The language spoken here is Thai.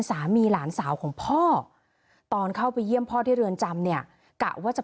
สามีหลานสาวของพ่อตอนเข้าไปเยี่ยมพ่อที่เรือนจำเนี่ยกะว่าจะ